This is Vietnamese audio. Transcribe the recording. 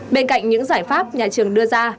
bên cạnh những giải pháp nhà trường đưa ra